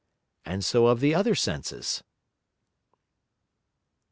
And so of the other Senses. _Qu.